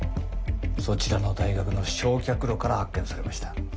そちらの大学の焼却炉から発見されました。